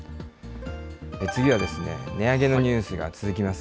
次は、値上げのニュースが続きます。